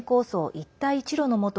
一帯一路のもと